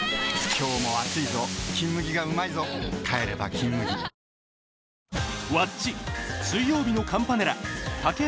今日も暑いぞ「金麦」がうまいぞ帰れば「金麦」いらっしゃいませ！